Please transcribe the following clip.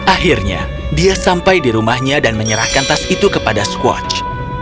akhirnya dia sampai di rumahnya dan menyerahkan tas itu kepada squatch